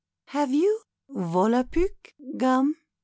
"Have you Volapuk gum?"